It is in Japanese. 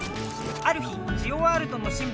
ある日ジオワールドのシンボル